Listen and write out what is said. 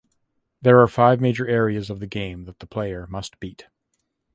There are five major areas of the game that the player must beat.